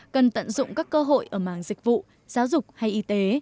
cần tận dụng các cơ hội ở mảng dịch vụ giáo dục hay y tế